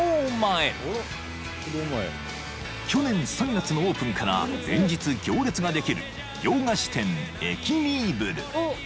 ［去年３月のオープンから連日行列ができる洋菓子店］